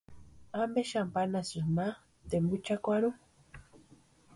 ¿Ampe xani panhasïki ma tempuchakwarhu?